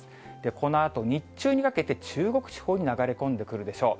このあと、日中にかけて中国地方に流れ込んでくるでしょう。